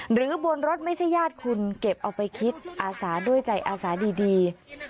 หรือบนรถไม่ใช่ญาติคุณเก็บเอาไปคิดอาสาด้วยใจอาสาดี